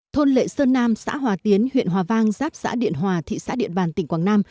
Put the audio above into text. thôn lệ sơn nam xã hòa tiến huyện hòa vang giáp xã điện hòa thị xã điện bàn tỉnh quảng nam